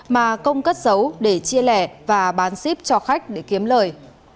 mà công cất giấu để chia lẻ và bán xếp cho khách để kiếm lời